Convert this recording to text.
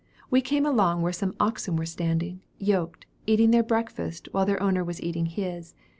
We came along where some oxen were standing, yoked, eating their breakfast while their owner was eating his.